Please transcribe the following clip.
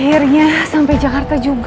akhirnya sampai jakarta juga